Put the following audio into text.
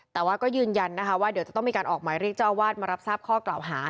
แต่ว่าก็ยืนยันนะคะว่าเดี๋ยวจะต้องมีการออกหมายเรียกเจ้าอาวาสมารับทราบข้อกล่าวหา